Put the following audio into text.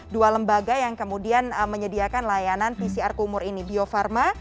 dua lembaga yang kemudian menyediakan layanan pcr kumur ini bio farma